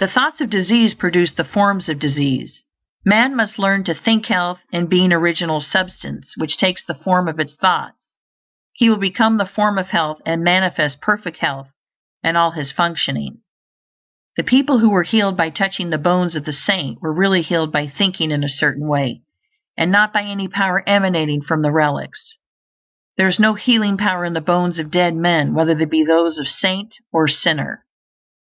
The thoughts of disease produce the forms of disease. Man must learn to think health; and being Original Substance which takes the form of its thoughts, he will become the form of health and manifest perfect health in all his functioning. The people who were healed by touching the bones of the saint were really healed by thinking in a certain way, and not by any power emanating from the relics. There is no healing power in the bones of dead men, whether they be those of saint or sinner.